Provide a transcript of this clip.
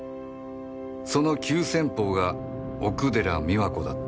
その急先鋒が奥寺美和子だった